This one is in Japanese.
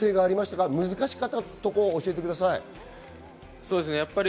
難しかったところを教えてください。